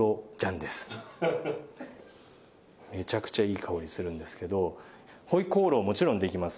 めちゃくちゃいい香りするんですけど回鍋肉もちろんできます。